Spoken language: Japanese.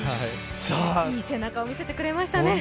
いい背中を見せてくれました。